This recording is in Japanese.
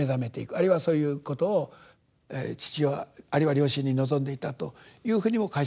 あるいはそういうことを父親あるいは両親に望んでいたというふうにも解釈できるかと思うんですけど。